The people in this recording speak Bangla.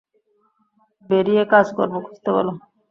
বেরিয়ে কাজকর্ম খুঁজতে বলো।